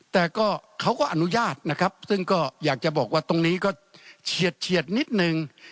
แต่ก็เขาก็อนุญาตนะครับซึ่งก็อยากจะบอกว่าตรงนี้ก็เฉียดนิดนึง